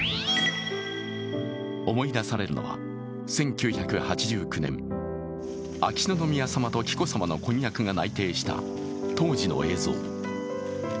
思い出されるのは、１９８９年、秋篠宮さまと紀子さまの婚約が内定した当時の映像。